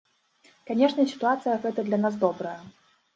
Канешне, сітуацыя гэта для нас добрая.